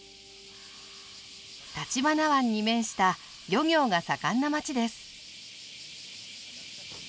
橘湾に面した漁業が盛んな町です。